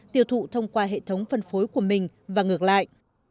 tiêu thụ thông qua hệ thống phân phối của mình và ngược lại